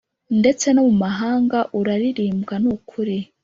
ndetse no mu mahanga uralirimbwa ni ukuri,